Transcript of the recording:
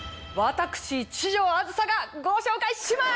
私壱城あずさがご紹介します！